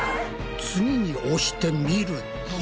次に押してみると。